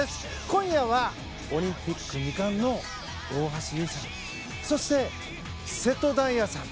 今夜はオリンピック２冠の大橋悠依さん。